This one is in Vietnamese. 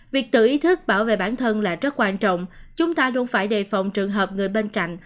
việc tự ý thức bảo vệ bản thân là rất quan trọng chúng ta luôn phải đề phòng trường hợp người bên cạnh